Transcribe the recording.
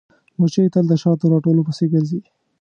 مچمچۍ تل د شاتو راټولولو پسې ګرځي